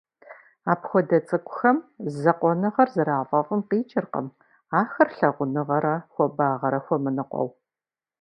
Апхуэдэ цӀыкӀухэм закъуэныгъэр зэрафӀэфӀым къикӀыркъым ахэр лъагъуныгъэрэ хуабагъэрэ хуэмыныкъуэу.